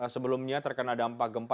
sebelumnya terkena dampak gempa